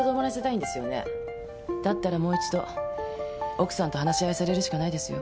だったらもう一度奥さんと話し合いをされるしかないですよ。